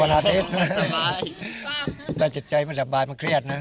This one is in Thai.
สบายป่ะแต่จิตใจมันสบายมันเครียดนะ